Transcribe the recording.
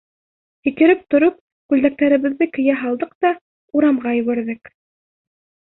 Һикереп тороп, күлдәктәребеҙҙе кейә һалдыҡ та урамға йүгерҙек.